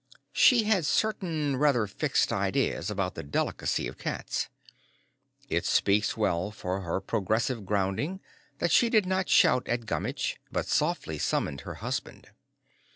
She had certain rather fixed ideas about the delicacy of cats. It speaks well for her progressive grounding that she did not shout at Gummitch but softly summoned her husband.